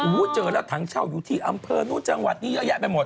โอ้โหเจอแล้วถังเช่าอยู่ที่อำเภอนู้นจังหวัดนี้เยอะแยะไปหมด